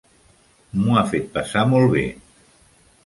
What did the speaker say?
M'ho ha fet passar molt bé.